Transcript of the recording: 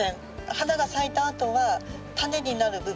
花が咲いたあとはタネになる部分ですね